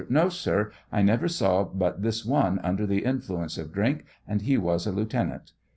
No, sir, I never saw but this one under the influ ence of drink, and he was a Lieutenant.